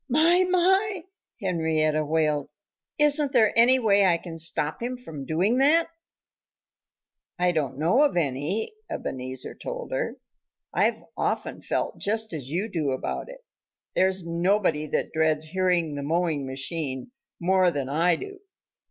"My! my!" Henrietta wailed. "Isn't there any way I can stop him from doing that?" "I don't know of any," Ebenezer told her. "I've often felt just as you do about it. There's nobody that dreads hearing the mowing machine more than I do."